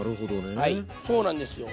はいそうなんですよ。